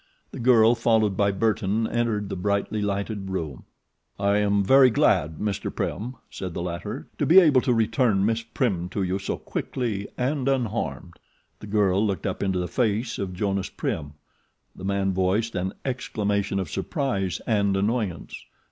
The girl, followed by Burton, entered the brightly lighted room. "I am very glad, Mr. Prim," said the latter, "to be able to return Miss Prim to you so quickly and unharmed." The girl looked up into the face of Jonas Prim. The man voiced an exclamation of surprise and annoyance.